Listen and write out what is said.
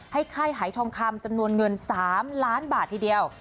ให้ไข้ไฮทองคำจำนวนเงิน๓ล้านบาททีเดียว